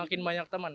makin banyak temen